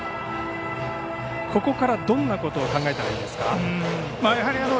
ここからどんなことを考えたらいいですか。